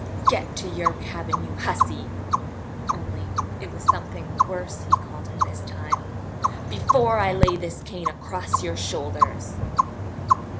Get to your cabin, you hussy" (only it was something worse he called her this time), "before I lay this cane across your shoulders!"